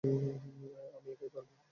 আমি একাই পারবো।